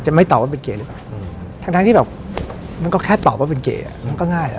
ไม่ตอบว่าเป็นเก๋หรือเปล่าทั้งที่แบบมันก็แค่ตอบว่าเป็นเก๋มันก็ง่ายอ่ะ